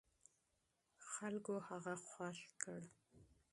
خلکو هغه خوښ کړ.